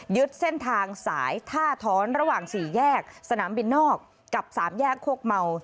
เส้นทางสายท่าท้อนระหว่าง๔แยกสนามบินนอกกับ๓แยกโคกเมา